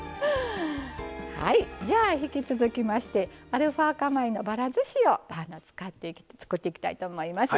じゃあ、引き続きましてアルファ化米のばらずしを作っていきたいと思います。